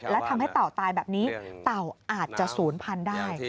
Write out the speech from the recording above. และทำให้เต่าตายแบบนี้เต่าอาจจะศูนย์พันธุ์ได้